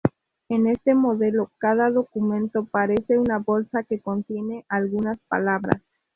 En este modelo, cada documento parece una bolsa que contiene algunas palabras.